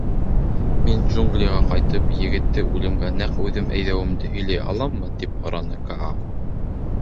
Мин, джунглиға ҡайтып, егетте үлемгә нәҡ үҙем әйҙәүемде һөйләй аламмы? — тип һораны Каа.